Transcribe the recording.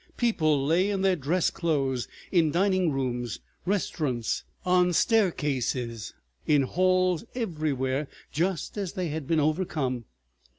People lay in their dress clothes, in dining rooms, restaurants, on staircases, in halls, everywhere just as they had been overcome.